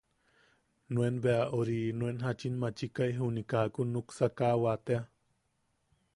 Nuen... bea ori... nuen jachin machikai juni kakun nuksakawa tea.